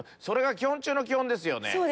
それが基本中の基本ですよね。